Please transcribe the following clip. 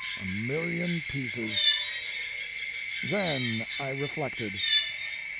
A million pieces. Then I reflected.